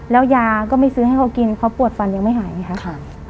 แล้วยาก็ไม่ซื้อให้เขากินเขาปวดฟันยังไม่หายไงคะ